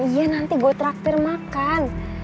iya nanti gue traktir makan